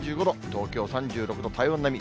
東京３６度、体温並み。